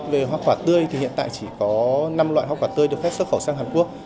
về hoa quả tươi thì hiện tại chỉ có năm loại hoa quả tươi được khách xuất khẩu sang hàn quốc